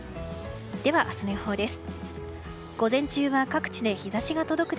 では明日の予報です。